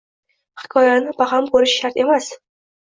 Hikoyani baham ko'rish shart emas